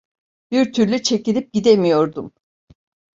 Bir türlü çekilip gidemiyordum.